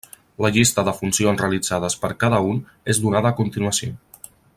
La llista de funcions realitzades per cada un és donada a continuació.